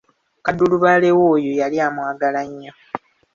Kaddulubaale we oyo yali amwagala nnyo.